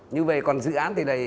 như vậy còn dự án thì là